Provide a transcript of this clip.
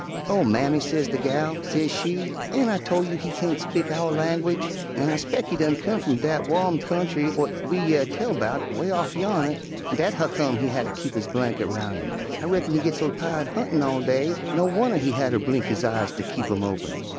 "'Oh, mammy,' sez de gal, sez she, 'ain' I tol' you he kain't speak ow' langwidge, an' I 'spec' he done come f'um dat wo'm kyountry whar we year tell 'bout, 'way off yonner, an' dat huccome he hatter keep his blankit roun' him. I reckon he git so tired huntin' all day, no wunner he hatter blink his eyes ter keep 'em open.'